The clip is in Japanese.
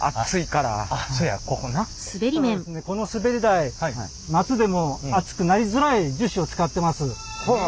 このすべり台夏でも熱くなりづらい樹脂を使ってます。